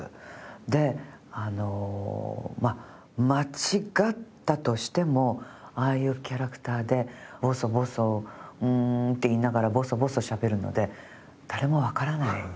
でまあ間違ったとしてもああいうキャラクターでボソボソ「うん」って言いながらボソボソしゃべるので誰もわからないんですね。